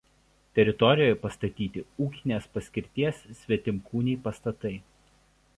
Teritorijoje pastatyti ūkinės paskirties svetimkūniai pastatai.